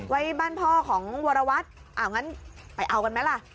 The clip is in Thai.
ไว้บ้านพ่อของวรวัตรอ้าวงั้นไปเอากันไหมล่ะ